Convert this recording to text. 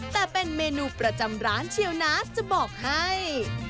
แต่เป็นเมนูประจำร้านเชียวนะจะบอกให้